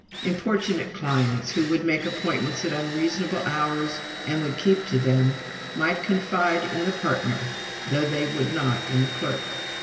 Importunate clients, who would make appointments at unseasonable hours and would keep to them, might confide in the partner, though they would not in the clerk.